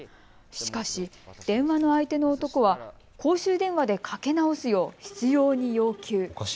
しかし電話の相手の男は公衆電話でかけ直すよう執ように要求。